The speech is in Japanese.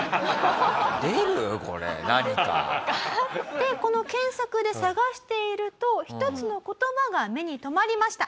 でこの検索で探していると一つの言葉が目に留まりました。